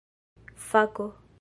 fako